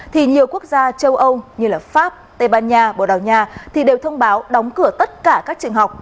thì nhiều quốc gia châu âu như pháp tây ban nha bồ đào nha thì đều thông báo đóng cửa tất cả các trường học